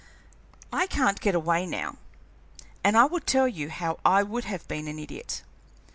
I can't get away now, and I will tell you how I would have been an idiot.